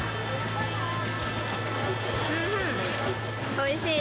おいしい。